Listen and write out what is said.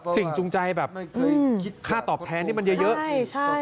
สิ่งจุงใจแบบค่าตอบแท้นที่มันเยอะ